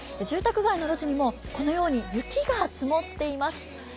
住宅街の路地にもこのように雪が積もっています。